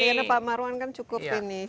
karena pak marwan kan cukup ini